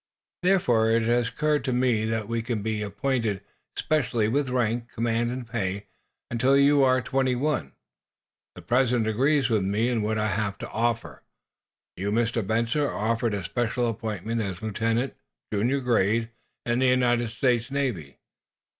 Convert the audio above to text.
"Therefore, it has occurred to me that you can be appointed, specially, with rank, command and pay, until you are twenty one. The President agrees with me in what I have to offer. You, Mr. Benson, are offered a special appointment as lieutenant, junior grade, in the United States Navy.